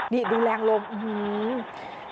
นี่ดูแรงลมอื้อหือ